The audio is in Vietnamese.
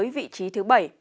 vị trí thứ bảy